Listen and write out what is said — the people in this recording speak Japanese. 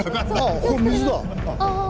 ここ水だ！